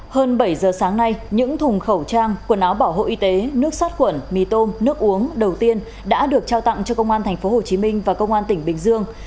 hơn bảy giờ sáng nay những thùng khẩu trang quần áo bảo hộ y tế nước sát khuẩn mì tôm nước uống đầu tiên đã được trao tặng cho công an tp hcm và công an tỉnh bình dương